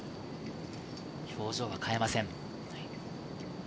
表情は変えません。